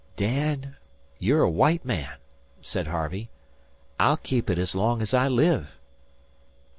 "Dan, you're a white man," said Harvey. "I'll keep it as long as I live."